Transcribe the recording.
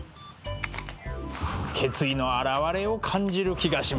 決意の表れを感じる気がします。